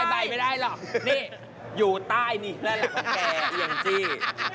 ๒๐๐บาทไม่ได้หรอกนี่อยู่ใต้นี่เพื่อนหลักของแกแอ้งจี้